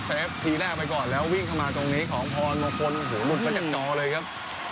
ทีแรกไปก่อนแล้ววิ่งเข้ามาตรงนี้ของพรมงคลโอ้โหหลุดมาจากจอเลยครับ